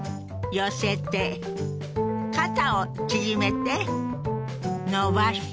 肩を縮めて伸ばして。